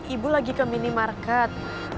ibu lagi ke minimarket